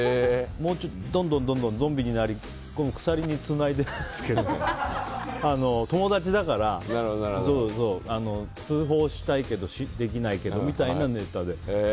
どんどんゾンビになって鎖につないでいくんですけど友達だから、通報したいけどできないけど、みたいなネタです。